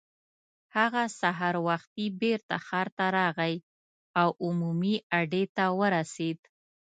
هغه سهار وختي بېرته ښار ته راغی او عمومي اډې ته ورسېد.